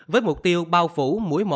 với mục tiêu bao phủ mũi một